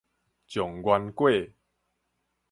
狀元粿